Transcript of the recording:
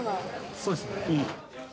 そうですね、いい。